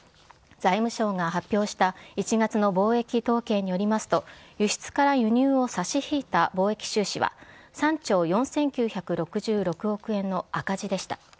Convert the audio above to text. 財務省が発表した１月の貿易統計によりますと輸出から輸入を差し引いた貿易収支は３兆４９６６億円の赤字でした。